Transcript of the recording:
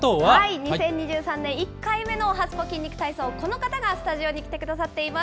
２０２３年、１回目のおはＳＰＯ筋肉体操、この方がスタジオに来てくださっています。